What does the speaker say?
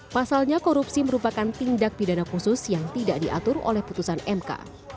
pasalnya korupsi merupakan tindak pidana khusus yang tidak diatur oleh putusan mk